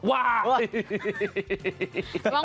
ว้าว